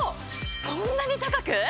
そんなに高く？